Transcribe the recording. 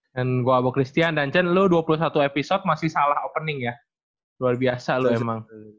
dan gue abu christian dan chen lo dua puluh satu episode masih salah opening ya luar biasa lo emang